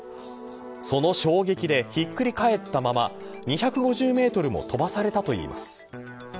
その衝撃でひっくり返ったまま２５０メートルも飛ばされたといいます。